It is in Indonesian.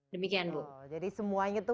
demikian bu jadi semuanya itu